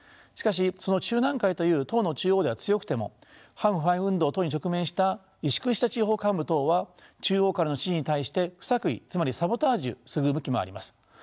しかしその中南海という党の中央では強くても反腐敗運動等に直面した萎縮した地方幹部等は中央からの指示に対して不作為つまりサボタージュする向きもあります。